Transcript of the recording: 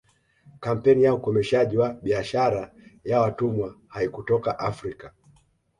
Kampeni ya ukomeshaji wa biashara ya watumwa haikutoka Afrika